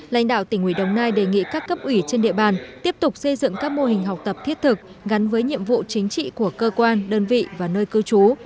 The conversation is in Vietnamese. lãnh đạo tỉnh ủy đồng nai đề nghị các cấp ủy trên địa bàn tiếp tục xây dựng các mô hình học tập thiết thực gắn với nhiệm vụ chính trị của cơ quan đơn vị và nơi cư trú